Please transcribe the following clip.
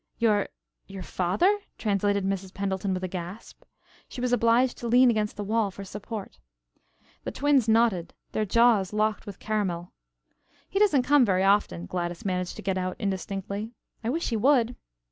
"Your your father," translated Mrs. Pendleton with a gasp. She was obliged to lean against the wall for support. The twins nodded, their jaws locked with caramel. "He doesn't come very often," Gladys managed to get out indistinctly. "I wish he would."